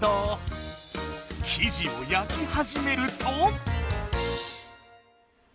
生地を焼きはじめると！